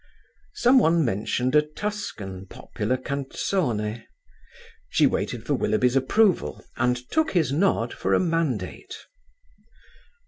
Some one mentioned a Tuscan popular canzone. She waited for Willoughby's approval, and took his nod for a mandate.